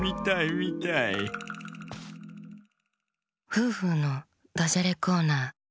「フーフーのダジャレコーナー」。